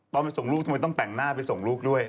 ไปส่งลูกทำไมต้องแต่งหน้าไปส่งลูกด้วย